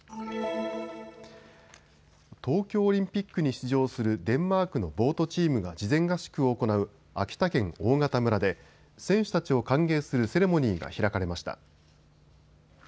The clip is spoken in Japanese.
東京オリンピックに出場するデンマークのボートチームが事前合宿を行う秋田県大潟村で選手たちを歓迎するセレモニーが開かれました。